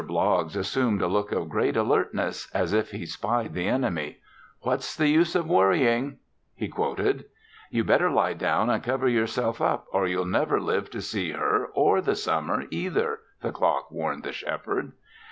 Bloggs assumed a look of great alertness as if lie spied the enemy. "What's the use of worrying?" he quoted. "You'd better lie down and cover yourself up or you'll never live to see her or the summer either," the clock warned the Shepherd.